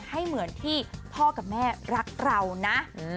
ให้เหมือนที่พ่อกับแม่รักเรานะ